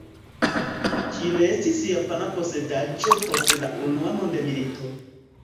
Ĝi restis japana posedaĵo post la Unua Mondmilito.